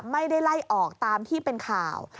ไม่ได้ไล่ออกตามที่เป็นข่าว